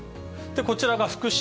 こちらが福島。